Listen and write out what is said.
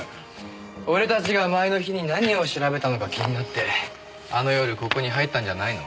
俺たちが前の日に何を調べたのか気になってあの夜ここに入ったんじゃないの？